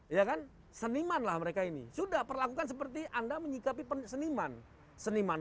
ya kan seniman lah mereka ini sudah perlakukan seperti anda menyikapi seniman seniman